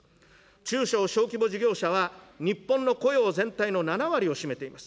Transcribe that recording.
中小小規模事業者は、日本の雇用全体の７割を占めています。